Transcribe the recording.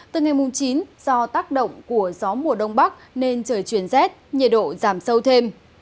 từ ngày mùng chín do tác động của gió mùa đông bắc nên trời chuyển rét nhiệt độ giảm sâu thêm